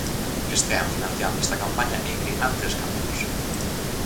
Que estean financiando esta campaña é indignante e escandaloso.